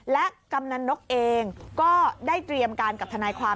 และกำนันนกเองก็ได้เตรียมการกับทนายความ